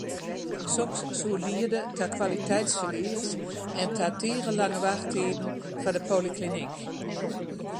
Soks soe liede ta kwaliteitsferlies en ta tige lange wachttiden foar de polyklinyk.